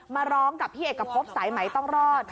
มาร้องกับพี่เอกพบสายไหมต้องรอด